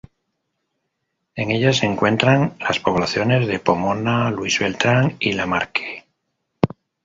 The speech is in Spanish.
En ellas se encuentran las poblaciones de Pomona, Luis Beltrán y Lamarque.